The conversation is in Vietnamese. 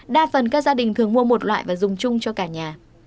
đa phần các gia đình thường mua một loại và dùng chung cho cả nhà